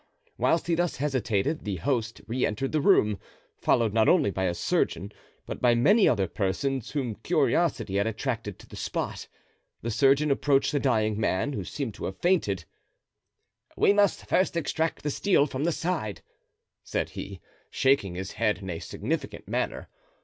Whilst he thus hesitated the host re entered the room, followed not only by a surgeon, but by many other persons, whom curiosity had attracted to the spot. The surgeon approached the dying man, who seemed to have fainted. "We must first extract the steel from the side," said he, shaking his head in a significant manner.